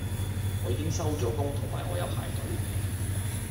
我已經收咗工同埋我有排隊